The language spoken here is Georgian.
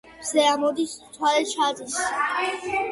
მზე ამოდის მთვერე ჩადის